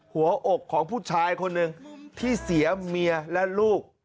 หัวอกของผู้ชายคนหนึ่งที่เสียเมียและลูก